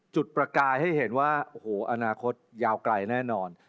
ประกายให้เห็นว่าโอ้โหอนาคตยาวไกลแน่นอน